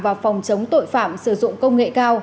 và phòng chống tội phạm sử dụng công nghệ cao